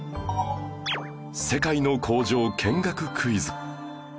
世界の工場見学クイズ